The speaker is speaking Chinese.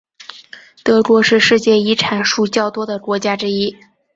德国是世界遗产数较多的国家之一。